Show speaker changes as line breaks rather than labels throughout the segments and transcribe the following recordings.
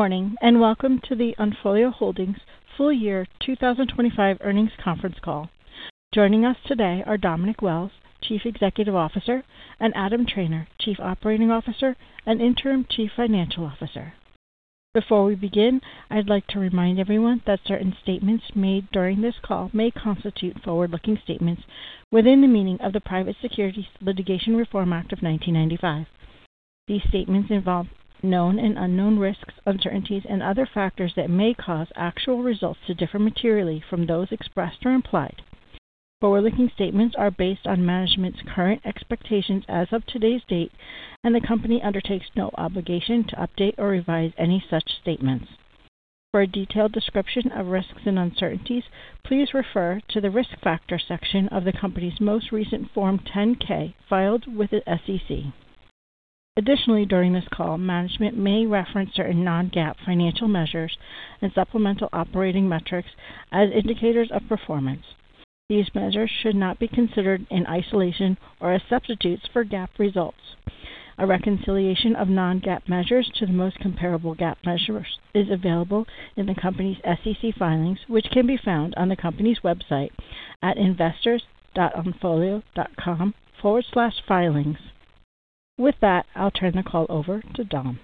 Good morning, and welcome to the Onfolio Holdings full year 2025 earnings conference call. Joining us today are Dominic Wells, Chief Executive Officer, and Adam Trainor, Chief Operating Officer and Interim Chief Financial Officer. Before we begin, I'd like to remind everyone that certain statements made during this call may constitute forward-looking statements within the meaning of the Private Securities Litigation Reform Act of 1995. These statements involve known and unknown risks, uncertainties, and other factors that may cause actual results to differ materially from those expressed or implied. Forward-looking statements are based on management's current expectations as of today's date, and the company undertakes no obligation to update or revise any such statements. For a detailed description of risks and uncertainties, please refer to the Risk Factors section of the company's most recent Form 10-K filed with the SEC. Additionally, during this call, management may reference certain non-GAAP financial measures and supplemental operating metrics as indicators of performance. These measures should not be considered in isolation or as substitutes for GAAP results. A reconciliation of non-GAAP measures to the most comparable GAAP measures is available in the company's SEC filings, which can be found on the company's website at investors.onfolio.com/filings. With that, I'll turn the call over to Dom.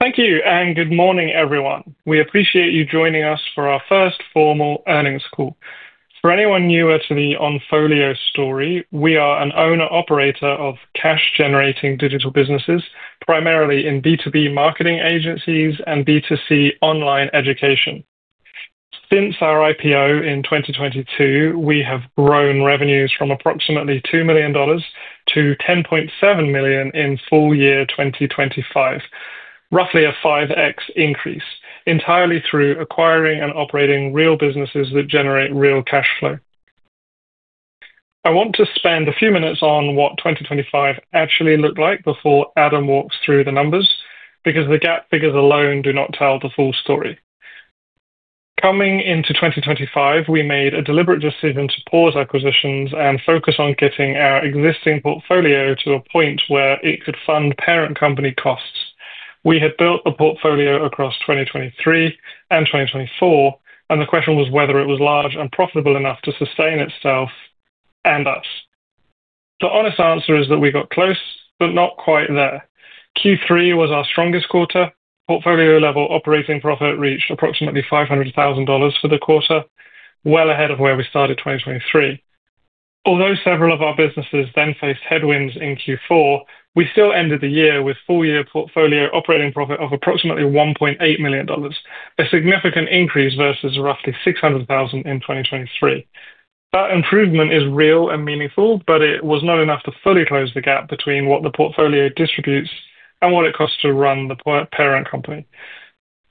Thank you, and good morning, everyone. We appreciate you joining us for our first formal earnings call. For anyone newer to the Onfolio story, we are an owner/operator of cash-generating digital businesses, primarily in B2B marketing agencies and B2C online education. Since our IPO in 2022, we have grown revenues from approximately $2 million to $10.7 million in full year 2025, roughly a 5x increase, entirely through acquiring and operating real businesses that generate real cash flow. I want to spend a few minutes on what 2025 actually looked like before Adam walks through the numbers, because the GAAP figures alone do not tell the full story. Coming into 2025, we made a deliberate decision to pause acquisitions and focus on getting our existing portfolio to a point where it could fund parent company costs. We had built a portfolio across 2023 and 2024, and the question was whether it was large and profitable enough to sustain itself and us. The honest answer is that we got close, but not quite there. Q3 was our strongest quarter. Portfolio level operating profit reached approximately $500,000 for the quarter, well ahead of where we started 2023. Although several of our businesses then faced headwinds in Q4, we still ended the year with full year portfolio operating profit of approximately $1.8 million, a significant increase versus roughly $600,000 in 2023. That improvement is real and meaningful, but it was not enough to fully close the gap between what the portfolio distributes and what it costs to run the parent company.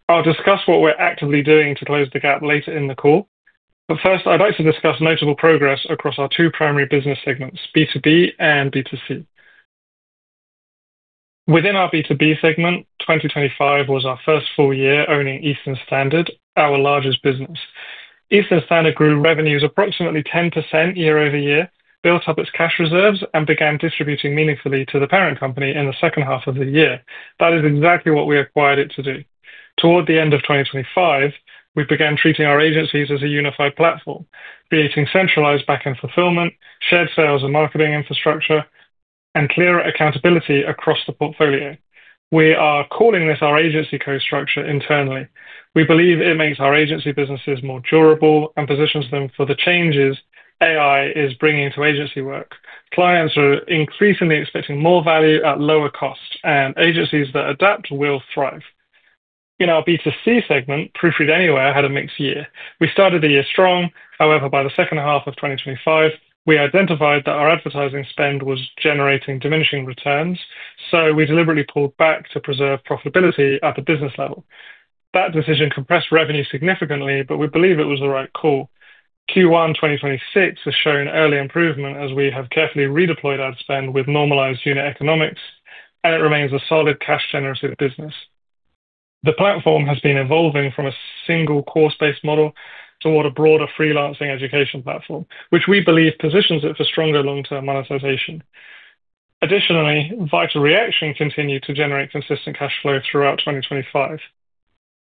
I'll discuss what we're actively doing to close the gap later in the call. First, I'd like to discuss notable progress across our two primary business segments, B2B and B2C. Within our B2B segment, 2025 was our first full year owning Eastern Standard, our largest business. Eastern Standard grew revenues approximately 10% year-over-year, built up its cash reserves, and began distributing meaningfully to the parent company in the second half of the year. That is exactly what we acquired it to do. Toward the end of 2025, we began treating our agencies as a unified platform, creating centralized backend fulfillment, shared sales and marketing infrastructure, and clearer accountability across the portfolio. We are calling this our Agency Co-structure internally. We believe it makes our agency businesses more durable and positions them for the changes AI is bringing to agency work. Clients are increasingly expecting more value at lower costs, and agencies that adapt will thrive. In our B2C segment, Proofread Anywhere had a mixed year. We started the year strong. However, by the second half of 2025, we identified that our advertising spend was generating diminishing returns, so we deliberately pulled back to preserve profitability at the business level. That decision compressed revenue significantly, but we believe it was the right call. Q1 2026 has shown early improvement as we have carefully redeployed ad spend with normalized unit economics, and it remains a solid cash-generative business. The platform has been evolving from a single course-based model toward a broader freelancing education platform, which we believe positions it for stronger long-term monetization. Additionally, Vital Reaction continued to generate consistent cash flow throughout 2025.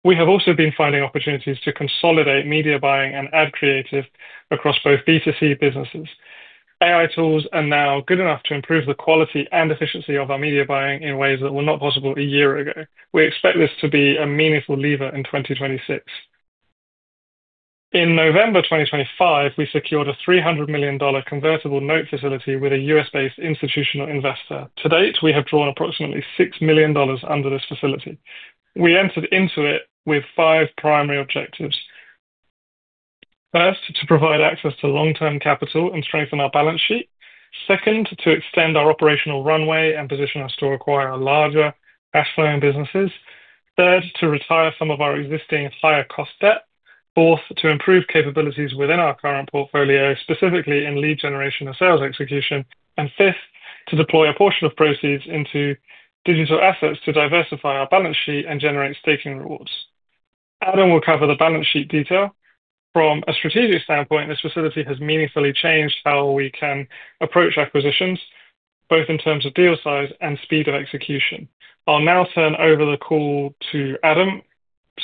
We have also been finding opportunities to consolidate media buying and ad creative across both B2C businesses. AI tools are now good enough to improve the quality and efficiency of our media buying in ways that were not possible a year ago. We expect this to be a meaningful lever in 2026. In November 2025, we secured a $300 million convertible note facility with a U.S.-based institutional investor. To date, we have drawn approximately $6 million under this facility. We entered into it with five primary objectives. First, to provide access to long-term capital and strengthen our balance sheet. Second, to extend our operational runway and position us to acquire larger cash flowing businesses. Third, to retire some of our existing higher cost debt. Fourth, to improve capabilities within our current portfolio, specifically in lead generation and sales execution. Fifth, to deploy a portion of proceeds into digital assets to diversify our balance sheet and generate staking rewards. Adam will cover the balance sheet detail. From a strategic standpoint, this facility has meaningfully changed how we can approach acquisitions, both in terms of deal size and speed of execution. I'll now turn over the call to Adam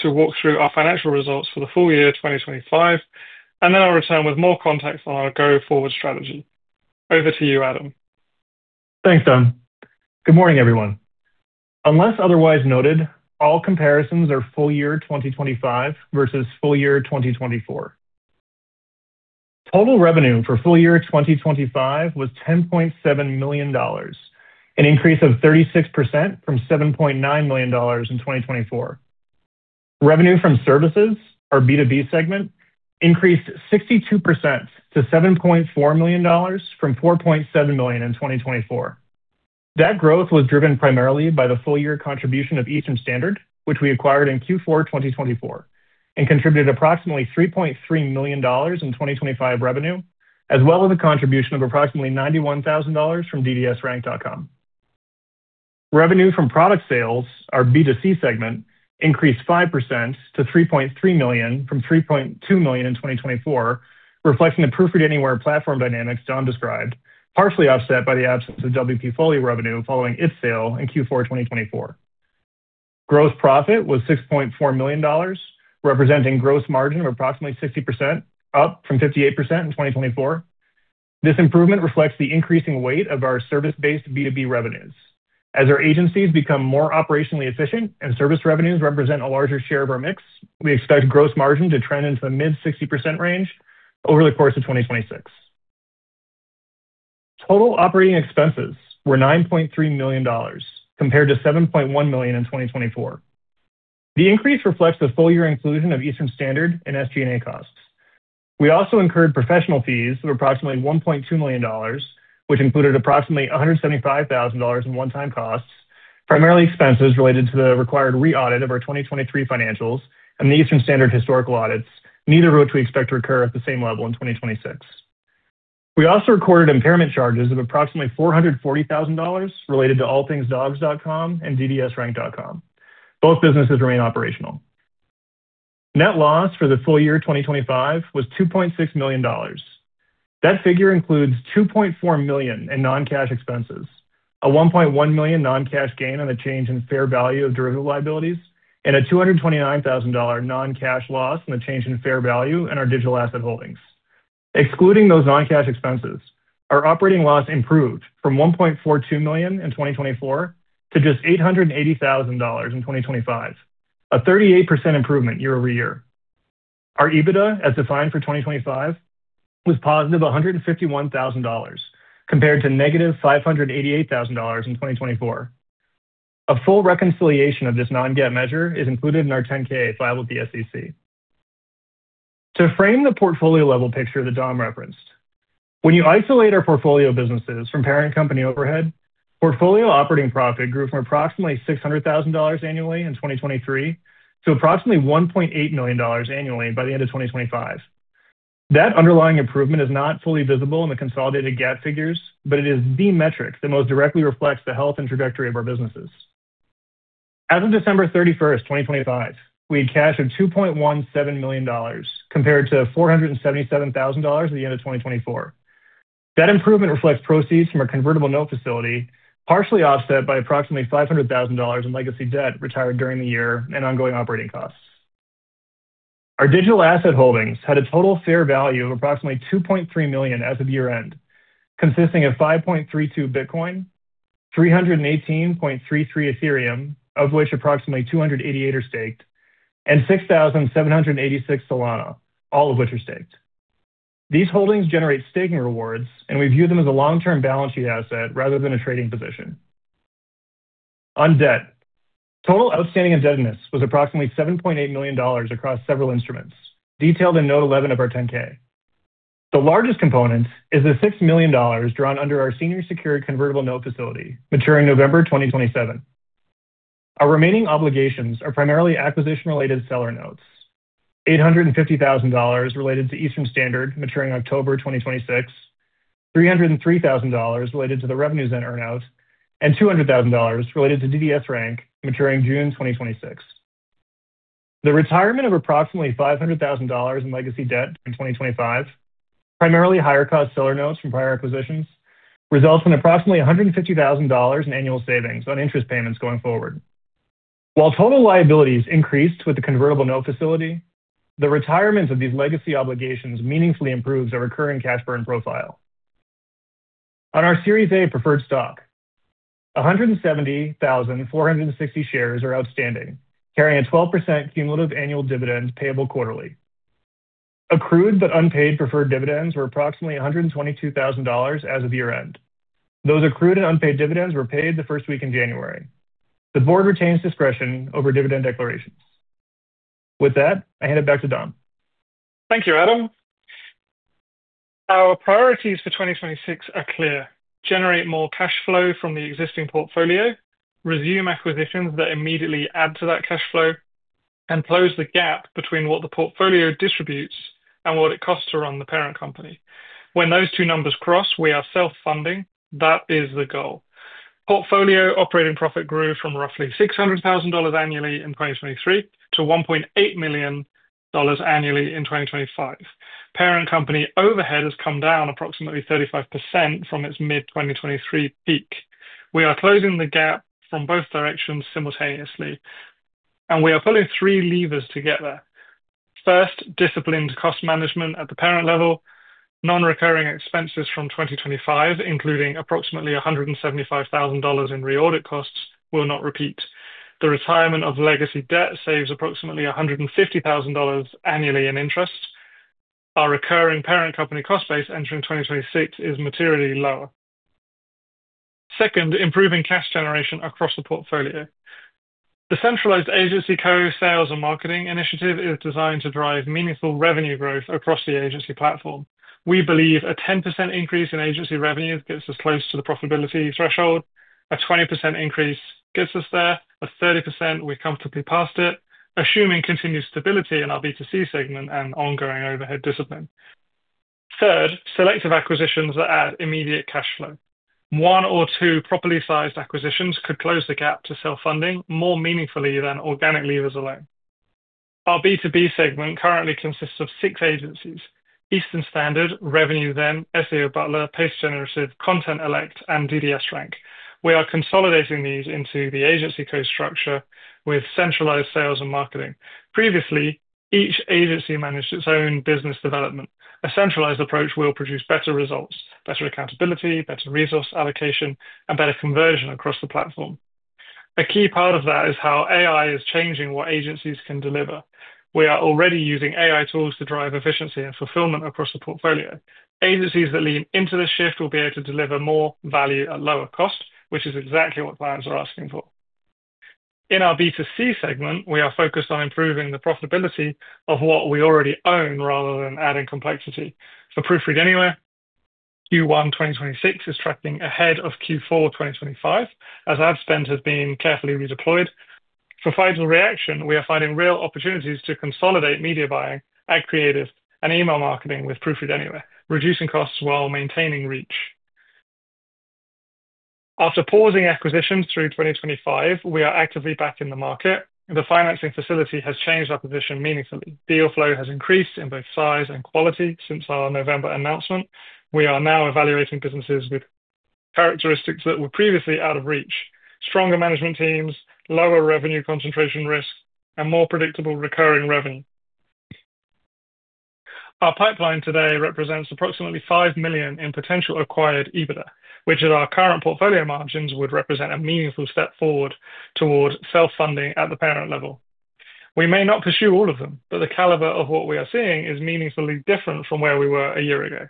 to walk through our financial results for the full year 2025, and then I'll return with more context on our go-forward strategy. Over to you, Adam.
Thanks, Dom. Good morning, everyone. Unless otherwise noted, all comparisons are full year 2025 versus full year 2024. Total revenue for full year 2025 was $10.7 million, an increase of 36% from $7.9 million in 2024. Revenue from services, our B2B segment, increased 62% to $7.4 million from $4.7 million in 2024. That growth was driven primarily by the full year contribution of Eastern Standard, which we acquired in Q4 2024 and contributed approximately $3.3 million in 2025 revenue, as well as a contribution of approximately $91,000 from ddsrank.com. Revenue from product sales, our B2C segment, increased 5% to $3.3 million from $3.2 million in 2024, reflecting the growth we're getting from the platform dynamics Dom described, partially offset by the absence of WP Folio revenue following its sale in Q4 2024. Gross profit was $6.4 million, representing gross margin of approximately 60%, up from 58% in 2024. This improvement reflects the increasing weight of our service-based B2B revenues. As our agencies become more operationally efficient and service revenues represent a larger share of our mix, we expect gross margin to trend into the mid-60% range over the course of 2026. Total operating expenses were $9.3 million, compared to $7.1 million in 2024. The increase reflects the full year inclusion of Eastern Standard and SG&A costs. We incurred professional fees of approximately $1.2 million, which included approximately $175,000 in one-time costs, primarily expenses related to the required re-audit of our 2023 financials and the Eastern Standard historical audits, neither of which we expect to recur at the same level in 2026. We recorded impairment charges of approximately $440,000 related to allthingsdogs.com and ddsrank.com. Both businesses remain operational. Net loss for the full year 2025 was $2.6 million. That figure includes $2.4 million in non-cash expenses, a $1.1 million non-cash gain on the change in fair value of derivative liabilities, and a $229,000 non-cash loss on the change in fair value in our digital asset holdings. Excluding those non-cash expenses, our operating loss improved from $1.42 million in 2024 to just $880,000 in 2025, a 38% improvement year-over-year. Our EBITDA, as defined for 2025, was +$151,000, compared to-$588,000 in 2024. A full reconciliation of this non-GAAP measure is included in our 10-K filed with the SEC. To frame the portfolio-level picture that Dom referenced, when you isolate our portfolio businesses from parent company overhead, portfolio operating profit grew from approximately $600,000 annually in 2023 to approximately $1.8 million annually by the end of 2025. That underlying improvement is not fully visible in the consolidated GAAP figures, but it is the metric that most directly reflects the health and trajectory of our businesses. As of December 31st 2025, we had cash of $2.17 million, compared to $477,000 at the end of 2024. That improvement reflects proceeds from our convertible note facility, partially offset by approximately $500,000 in legacy debt retired during the year and ongoing operating costs. Our digital asset holdings had a total fair value of approximately $2.3 million as of year-end, consisting of 5.32 BTC, 318.33 ETH, of which approximately 288 are staked, and 6,786 SOL, all of which are staked. These holdings generate staking rewards, and we view them as a long-term balance sheet asset rather than a trading position. On debt, total outstanding indebtedness was approximately $7.8 million across several instruments, detailed in Note 11 of our 10-K. The largest component is the $6 million drawn under our senior secured convertible note facility, maturing November 2027. Our remaining obligations are primarily acquisition-related seller notes. $850,000 related to Eastern Standard, maturing October 2026, $303,000 related to the RevenueZen earn-out, and $200,000 related to DDS Rank, maturing June 2026. The retirement of approximately $500,000 in legacy debt in 2025, primarily higher cost seller notes from prior acquisitions, results in approximately $150,000 in annual savings on interest payments going forward. While total liabilities increased with the convertible note facility, the retirement of these legacy obligations meaningfully improves our recurring cash burn profile. On our Series A Preferred Stock, 170,460 shares are outstanding, carrying a 12% cumulative annual dividend payable quarterly. Accrued but unpaid preferred dividends were approximately $122,000 as of year-end. Those accrued and unpaid dividends were paid the first week in January. The Board retains discretion over dividend declarations. With that, I hand it back to Dom.
Thank you, Adam. Our priorities for 2026 are clear. Generate more cash flow from the existing portfolio, resume acquisitions that immediately add to that cash flow, and close the gap between what the portfolio distributes and what it costs to run the parent company. When those two numbers cross, we are self-funding. That is the goal. Portfolio operating profit grew from roughly $600,000 annually in 2023 to $1.8 million annually in 2025. Parent company overhead has come down approximately 35% from its mid-2023 peak. We are closing the gap from both directions simultaneously, and we are pulling three levers to get there. First, disciplined cost management at the parent level. Non-recurring expenses from 2025, including approximately $175,000 in re-audit costs, will not repeat. The retirement of legacy debt saves approximately $150,000 annually in interest. Our recurring parent company cost base entering 2026 is materially lower. Second, improving cash generation across the portfolio. The centralized Agency Co sales and marketing initiative is designed to drive meaningful revenue growth across the agency platform. We believe a 10% increase in agency revenue gets us close to the profitability threshold. A 20% increase gets us there. A 30%, we're comfortably past it, assuming continued stability in our B2C segment and ongoing overhead discipline. Third, selective acquisitions that add immediate cash flow. One or two properly sized acquisitions could close the gap to self-funding more meaningfully than organic levers alone. Our B2B segment currently consists of six agencies: Eastern Standard, RevenueZen, SEO Butler, Pace Generative, Contentellect, and DDS Rank. We are consolidating these into the Agency Co-structure with centralized sales and marketing. Previously, each agency managed its own business development. A centralized approach will produce better results, better accountability, better resource allocation, and better conversion across the platform. A key part of that is how AI is changing what agencies can deliver. We are already using AI tools to drive efficiency and fulfillment across the portfolio. Agencies that lean into this shift will be able to deliver more value at lower cost, which is exactly what clients are asking for. In our B2C segment, we are focused on improving the profitability of what we already own rather than adding complexity. For Proofread Anywhere, Q1 2026 is tracking ahead of Q4 2025 as ad spend has been carefully redeployed. For Vital Reaction, we are finding real opportunities to consolidate media buying, ad creative, and email marketing with Proofread Anywhere, reducing costs while maintaining reach. After pausing acquisitions through 2025, we are actively back in the market. The financing facility has changed our position meaningfully. Deal flow has increased in both size and quality since our November announcement. We are now evaluating businesses with characteristics that were previously out of reach, stronger management teams, lower revenue concentration risk, and more predictable recurring revenue. Our pipeline today represents approximately $5 million in potential acquired EBITDA, which at our current portfolio margins would represent a meaningful step forward toward self-funding at the parent level. We may not pursue all of them, but the caliber of what we are seeing is meaningfully different from where we were a year ago.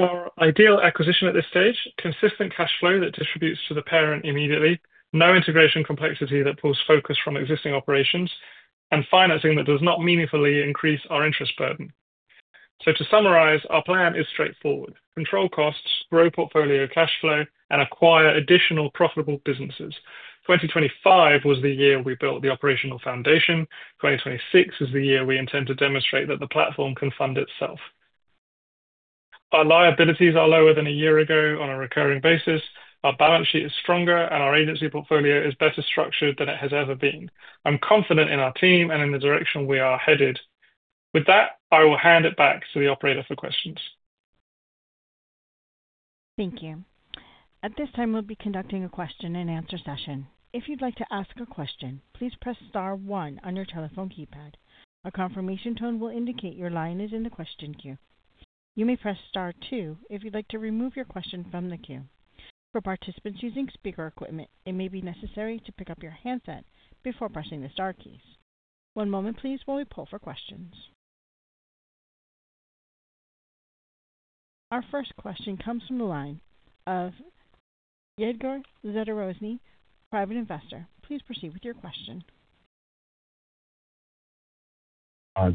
Our ideal acquisition at this stage, consistent cash flow that distributes to the parent immediately, no integration complexity that pulls focus from existing operations, and financing that does not meaningfully increase our interest burden. To summarize, our plan is straightforward. Control costs, grow portfolio cash flow, and acquire additional profitable businesses. 2025 was the year we built the operational foundation. 2026 is the year we intend to demonstrate that the platform can fund itself. Our liabilities are lower than a year ago on a recurring basis. Our balance sheet is stronger, and our agency portfolio is better structured than it has ever been. I'm confident in our team and in the direction we are headed. With that, I will hand it back to the operator for questions.
Thank you. At this time, we'll be conducting a question and answer session. If you'd like to ask a question, please press star one on your telephone keypad. A confirmation tone will indicate your line is in the question queue. You may press star two if you'd like to remove your question from the queue. For participants using speaker equipment, it may be necessary to pick up your handset before pressing the star keys. One moment please while we poll for questions. Our first question comes from the line of Yegor Zhetarozny, private investor. Please proceed with your question.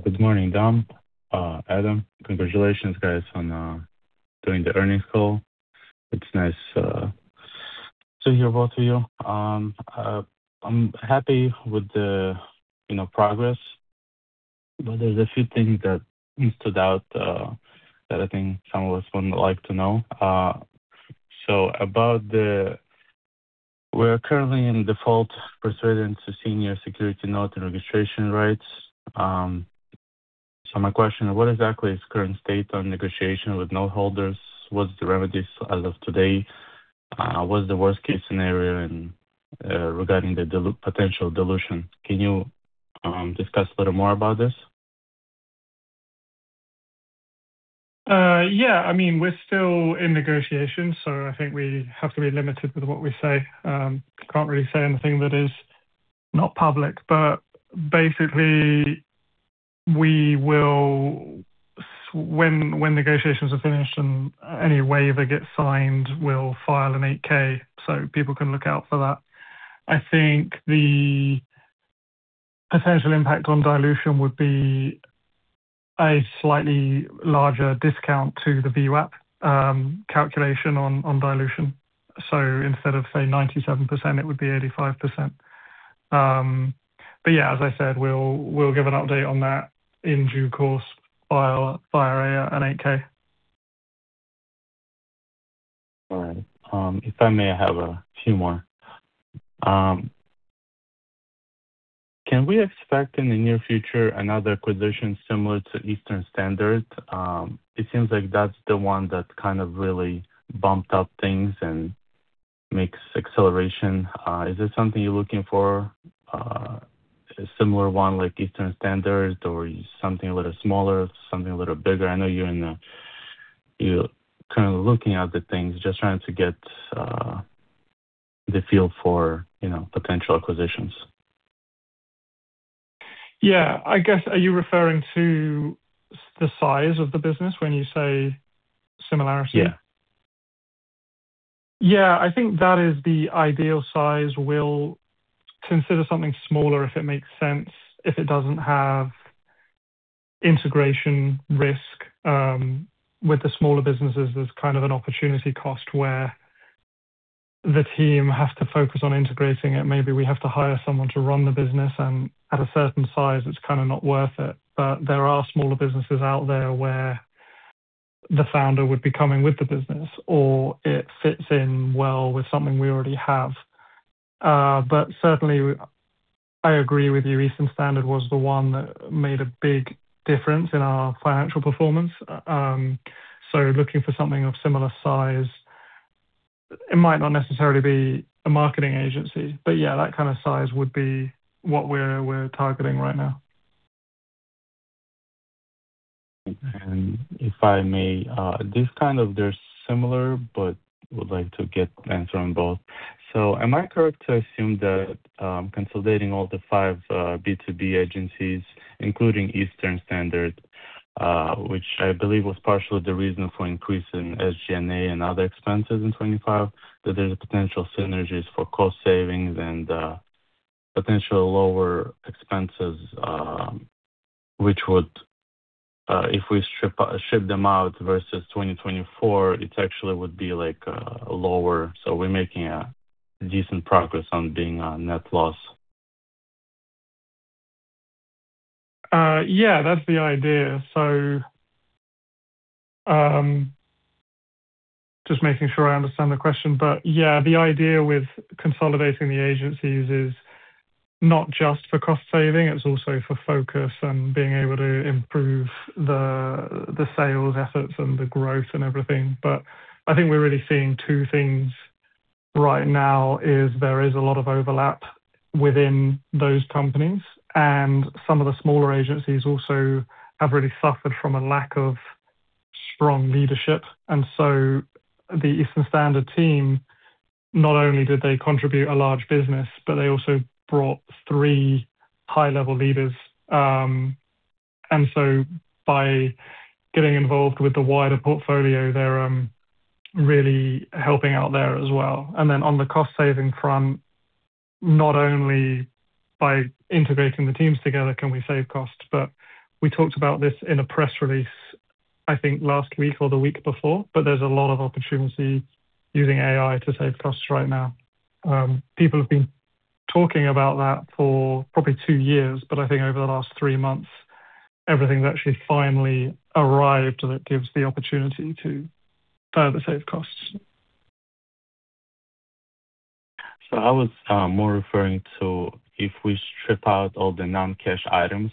Good morning, Dom, Adam. Congratulations, guys, on doing the earnings call. It's nice to hear both of you. I'm happy with the, you know, progress, but there's a few things that stood out that I think some of us would like to know. We're currently in default pursuant to senior secured note and registration rights. My question, what exactly is the current state on negotiation with note holders? What's the remedies as of today? What is the worst-case scenario regarding the potential dilution? Can you discuss a little more about this?
Yeah. I mean, we're still in negotiations, so I think we have to be limited with what we say. Can't really say anything that is not public. When negotiations are finished and any waiver gets signed, we'll file an 8-K, so people can look out for that. I think the potential impact on dilution would be a slightly larger discount to the VWAP calculation on dilution. Instead of, say, 97% it would be 85%. Yeah, as I said, we'll give an update on that in due course via an 8-K.
All right. If I may, I have a few more. Can we expect in the near future another acquisition similar to Eastern Standard? It seems like that's the one that kind of really bumped up things and makes acceleration. Is this something you're looking for? A similar one like Eastern Standard or something a little smaller, something a little bigger? I know you're kind of looking at the things, just trying to get the feel for, you know, potential acquisitions.
Yeah. I guess, are you referring to the size of the business when you say similarity?
Yeah.
Yeah. I think that is the ideal size. We'll consider something smaller if it makes sense, if it doesn't have integration risk. With the smaller businesses, there's kind of an opportunity cost where the team has to focus on integrating it. Maybe we have to hire someone to run the business, and at a certain size, it's kinda not worth it. There are smaller businesses out there where the founder would be coming with the business or it fits in well with something we already have. Certainly I agree with you. Eastern Standard was the one that made a big difference in our financial performance. Looking for something of similar size. It might not necessarily be a marketing agency, but yeah, that kind of size would be what we're targeting right now.
If I may, this kind of they're similar, but would like to get answer on both. Am I correct to assume that, consolidating all the five B2B agencies, including Eastern Standard, which I believe was partially the reason for increase in SG&A and other expenses in 2025, that there's potential synergies for cost savings and, potential lower expenses, which would, if we strip them out versus 2024, it actually would be like, lower, so we're making, decent progress on being on net loss.
Yeah, that's the idea. Just making sure I understand the question. Yeah, the idea with consolidating the agencies is not just for cost saving, it's also for focus and being able to improve the sales efforts and the growth and everything. I think we're really seeing two things right now, is there is a lot of overlap within those companies, and some of the smaller agencies also have really suffered from a lack of strong leadership. The Eastern Standard team, not only did they contribute a large business, but they also brought three high-level leaders. By getting involved with the wider portfolio, they're really helping out there as well. Then on the cost-saving front, not only by integrating the teams together can we save costs, but we talked about this in a press release, I think last week or the week before, but there's a lot of opportunity using AI to save costs right now. People have been talking about that for probably two years, but I think over the last three months, everything's actually finally arrived, and it gives the opportunity to further save costs.
I was more referring to if we strip out all the non-cash items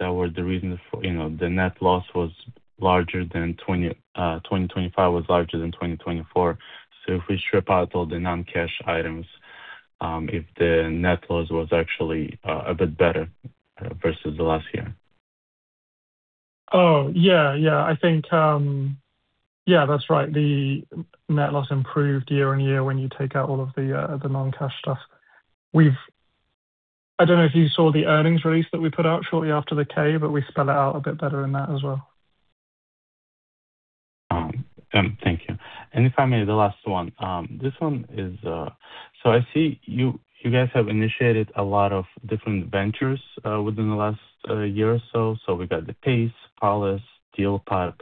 that were the reason for, you know, the net loss in 2025 was larger than in 2024. If we strip out all the non-cash items, the net loss was actually a bit better versus the last year.
Oh, yeah. Yeah. I think, yeah, that's right. The net loss improved year-over-year when you take out all of the non-cash stuff. I don't know if you saw the earnings release that we put out shortly after the 8-K, but we spell it out a bit better in that as well.
Thank you. If I may, the last one. This one is. I see you guys have initiated a lot of different ventures within the last year or so. We got the Pace, Parlance, DealPipe.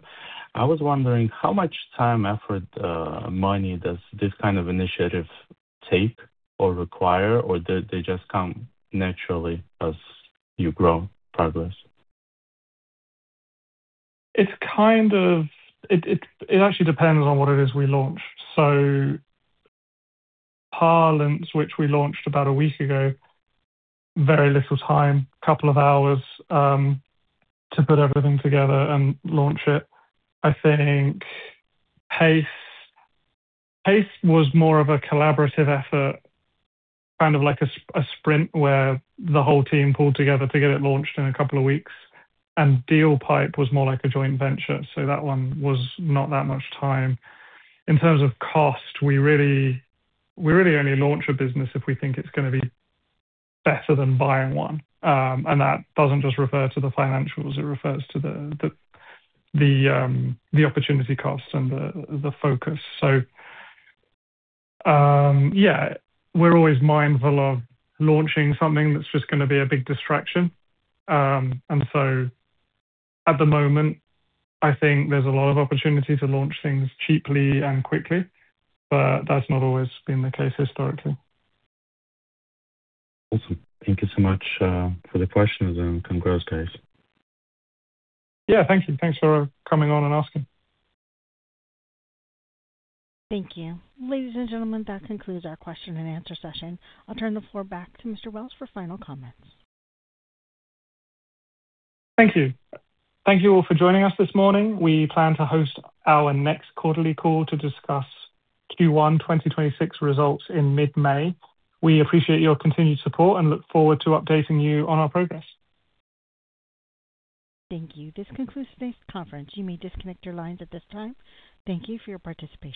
I was wondering, how much time, effort, money does this kind of initiative take or require, or do they just come naturally as you grow, progress?
It actually depends on what it is we launched. Parlance, which we launched about a week ago, very little time, couple of hours, to put everything together and launch it. I think Pace was more of a collaborative effort, kind of like a sprint where the whole team pulled together to get it launched in a couple of weeks. DealPipe was more like a joint venture, so that one was not that much time. In terms of cost, we really only launch a business if we think it's gonna be better than buying one. That doesn't just refer to the financials, it refers to the opportunity costs and the focus. Yeah, we're always mindful of launching something that's just gonna be a big distraction. At the moment, I think there's a lot of opportunity to launch things cheaply and quickly, but that's not always been the case historically.
Awesome. Thank you so much for the questions and congrats, guys.
Yeah, thank you. Thanks for coming on and asking.
Thank you. Ladies and gentlemen, that concludes our question and answer session. I'll turn the floor back to Mr. Wells for final comments.
Thank you. Thank you all for joining us this morning. We plan to host our next quarterly call to discuss Q1 2026 results in mid-May. We appreciate your continued support and look forward to updating you on our progress.
Thank you. This concludes today's conference. You may disconnect your lines at this time. Thank you for your participation.